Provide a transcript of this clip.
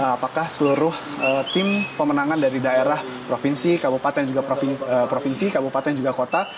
apakah seluruh tim pemenangan dari daerah provinsi kabupaten provinsi kabupaten juga kota